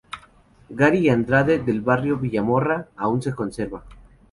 Garay y Andrade, del barrio Villa Morra, aún se conserva.